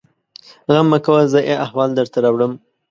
_غم مه کوه! زه يې احوال درته راوړم.